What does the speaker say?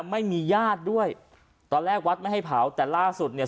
ไม่มีญาติด้วยตอนแรกวัดไม่ให้เผาแต่ล่าสุดเนี่ย